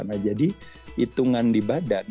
nah jadi hitungan di badan